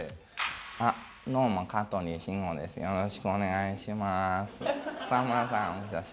よろしくお願いします。